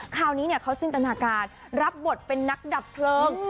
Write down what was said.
คราวนี้เขาจินตนาการรับบทเป็นนักดับเพลิง